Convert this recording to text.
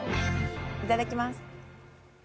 いただきます。